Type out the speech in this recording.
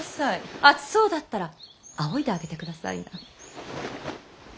暑そうだったらあおいであげてくださいな。